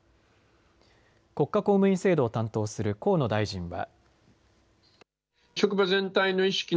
国家公務員制度を担当する河野大臣は。